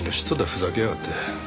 ふざけやがって。